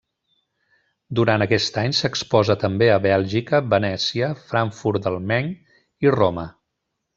Durant aquest any exposa també a Bèlgica, Venècia, Frankfurt del Main i Roma.